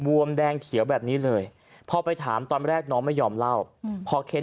วมแดงเขียวแบบนี้เลยพอไปถามตอนแรกน้องไม่ยอมเล่าพอเค้น